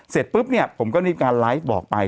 เสร็จปุ๊บเนี่ยผมก็มีการไลฟ์บอกไป